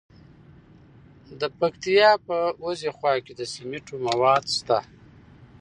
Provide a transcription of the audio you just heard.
د پکتیکا په وازیخوا کې د سمنټو مواد شته.